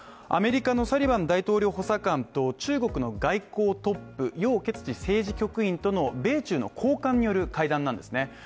アメリカのサリバン大統領補佐官と、中国の外交トップ楊潔チ政治局員との米中の高官による会談なんですね。